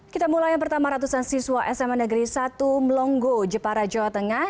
kita mulai yang pertama ratusan siswa sma negeri satu melongo jepara jawa tengah